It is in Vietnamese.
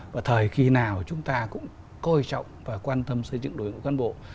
và thời khi nào chúng ta cũng coi trọng và quan tâm xây dựng đối ngũ cán bộ